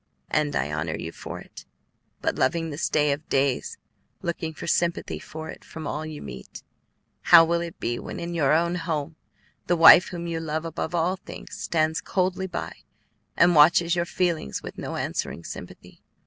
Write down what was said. "And I honor you for it; but loving this day of days, looking for sympathy for it from all you meet, how will it be when in your own home the wife whom you love above all others stands coldly by and watches your feelings with no answering sympathy?